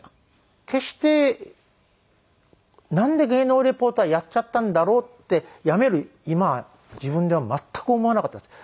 決してなんで芸能リポーターやっちゃったんだろうって辞める今自分では全く思わなかったです。